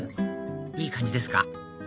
いい感じですか？